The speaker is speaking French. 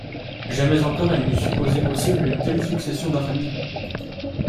Jamais encore elle n'eût supposé possible une telle succession d'infamies.